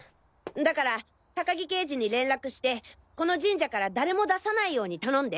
だから高木刑事に連絡してこの神社から誰も出さないように頼んで！